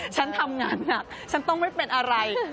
ฉันทำงานหนักฉันต้องไม่เป็นอะไร